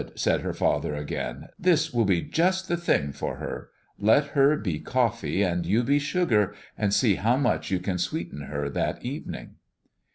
said her father again. "This will be just the thing for her. Let her be coffee and you be sugar, and see how much you can sweeten her that evening."